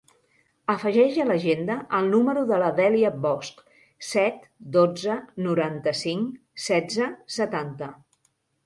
Afegeix a l'agenda el número de la Dèlia Bosch: set, dotze, noranta-cinc, setze, setanta.